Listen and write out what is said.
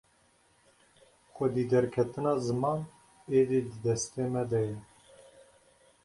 Xwedî derketina ziman êdî di destê me de ye.